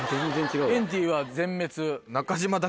ケンティーは全滅。